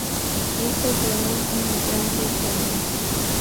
Hijo de un inmigrante italiano.